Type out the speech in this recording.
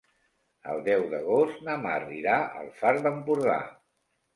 El deu d'agost na Mar irà al Far d'Empordà.